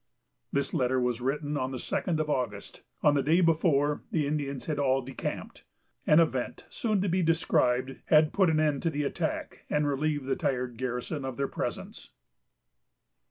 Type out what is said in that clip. This letter was written on the second of August. On the day before the Indians had all decamped. An event, soon to be described, had put an end to the attack, and relieved the tired garrison of their presence.